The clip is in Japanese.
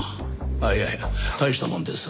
ああいやいや大したもんです。